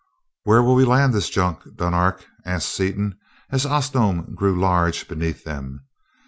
"Where'll we land this junk, Dunark?" asked Seaton, as Osnome grew large beneath them.